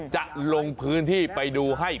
จะลงพื้นที่ไปดูให้